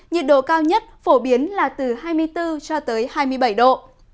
nhiệt độ cao nhất phổ biến là từ hai mươi bốn cho tới hai mươi bảy độ